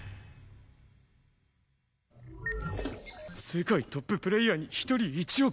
世界トッププレーヤーに１人１億！？